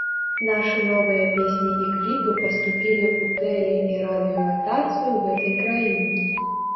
Нашы новыя песні і кліпы паступілі ў тэле- і радыёратацыю гэтай краіны.